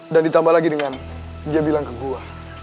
dan ditambah lagi dengan dia bilang ke gue